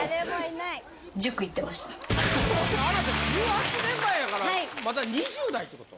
あなた１８年前やからまだ２０代ってこと？